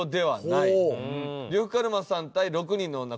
「呂布カルマさん対６人の女」